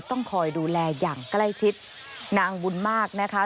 ต้องคอยดูแลอย่างใกล้ชิดนางบุญมากนะคะ